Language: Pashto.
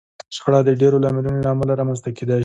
شخړه د ډېرو لاملونو له امله رامنځته کېدای شي.